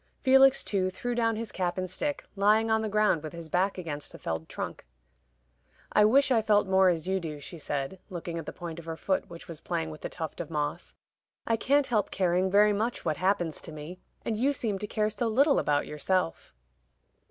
Felix, too, threw down his cap and stick, lying on the ground with his back against the felled trunk. "I wish I felt more as you do," she said, looking at the point of her foot, which was playing with a tuft of moss. "I can't help caring very much what happens to me. And you seem to care so little about yourself."